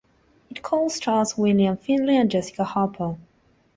It co-stars William Finley and Jessica Harper.